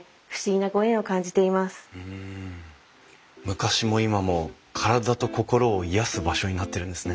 昔も今も体と心を癒やす場所になってるんですね。